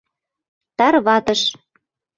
Тарватыш.